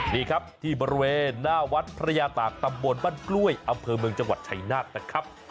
นี่ครับที่บริเวณหน้าวัดพระยาตากตำบลบ้านกล้วยอำเภอเมืองจังหวัดชัยนาธนะครับ